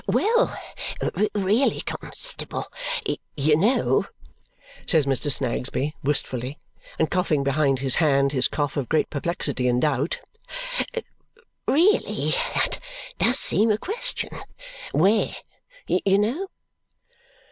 "Well! Really, constable, you know," says Mr. Snagsby wistfully, and coughing behind his hand his cough of great perplexity and doubt, "really, that does seem a question. Where, you know?"